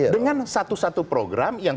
dengan satu satu program yang